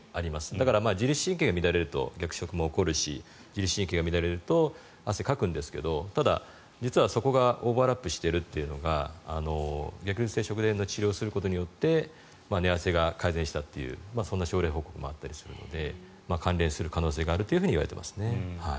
だから、自律神経が乱れると逆食も起こるし自律神経が乱れると汗をかくんですが実はそこがオーバーラップしているというのが逆流性食道炎の治療をすることによって寝汗が改善したという症例報告もあったりするので関連する可能性があるといわれていますね。